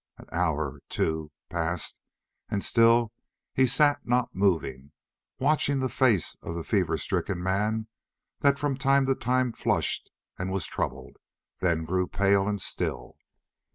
An hour—two—passed and still he sat not moving, watching the face of the fever stricken man that from time to time flushed and was troubled, then grew pale and still.